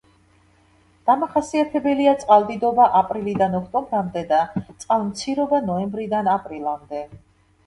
დამახასიათებელია წყალდიდობა აპრილიდან ოქტომბრამდე და წყალმცირობა ნოემბრიდან აპრილამდე.